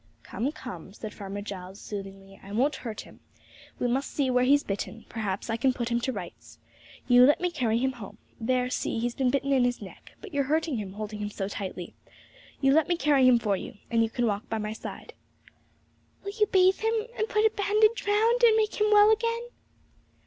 'Come, come,' said Farmer Giles soothingly; 'I won't hurt him. We must see where he is bitten; perhaps I can put him to rights. You let me carry him home. There, see, he's been bitten in his neck, but you're hurting him, holding him so tightly! You let me carry him for you, and you can walk by my side.' 'Will you bathe him, and put a bandage round, and make him well again?'